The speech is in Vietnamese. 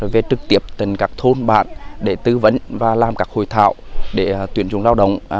về trực tiếp tình các thôn bạn để tư vấn và làm các hội thạo để tuyển dụng lao động